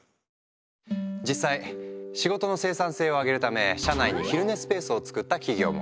実際仕事の生産性を上げるため社内に昼寝スペースを作った企業も。